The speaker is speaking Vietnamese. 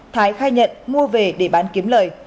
thái khai nhận mua về để bán kiếm lời